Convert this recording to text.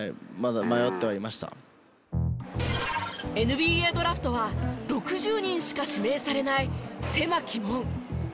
ＮＢＡドラフトは６０人しか指名されない狭き門。